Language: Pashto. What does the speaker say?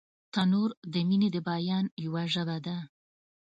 تنور د مینې د بیان یوه ژبه ده